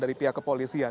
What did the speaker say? dari pihak kepolisian